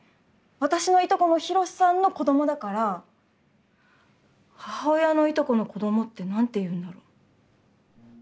私のいとこの寛さんの子どもだから母親のいとこの子どもって何ていうんだろ。